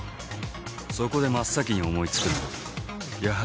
そこで真っ先に思い付くのはやはり最初の並び。